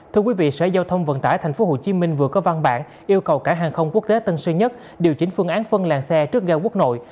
thưa quý vị sở giao thông vận tải tp hcm vừa có văn bản yêu cầu cảng hàng không quốc tế tân sơn nhất điều chỉnh phương án phân làng xe trước ga quốc nội